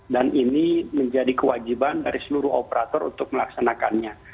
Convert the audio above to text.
dan ini menjadi kewajiban dari seluruh operator untuk melaksanakannya